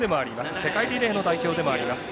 世界リレーの代表でもあります。